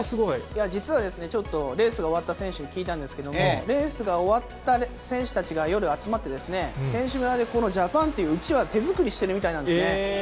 実はちょっとレースが終わった選手に聞いたんですけれども、レースが終わった選手たちが夜、集まって、選手村でこのジャパンといううちわ手作りしているみたいなんですね。